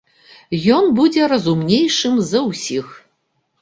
Ён будзе разумнейшым за ўсіх.